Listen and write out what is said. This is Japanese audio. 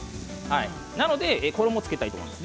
なので衣を付けたいと思います。